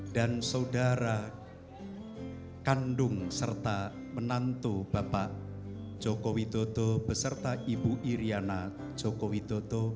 dan saudara kandung serta menantu bapak joko widodo beserta ibu iryana joko widodo